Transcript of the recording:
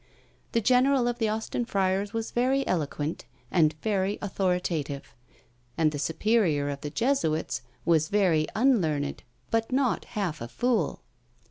The general of the Austin friars was very eloquent and very authoritative: and the superior of the Jesuits was very unlearned, but not half a fool.